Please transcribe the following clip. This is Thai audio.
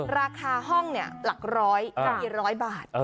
ราคาห้องเนี่ยหลักร้อยกี่ร้อยบาท